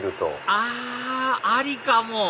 あありかも！